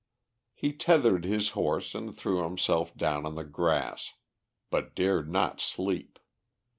He tethered his horse and threw himself down on the grass, but dared not sleep.